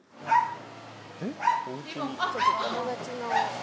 はい。